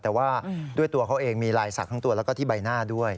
แต่ว่าด้วยตัวเขาเองมีลายสักทั้งตัวแล้วก็ที่ใบหน้าด้วย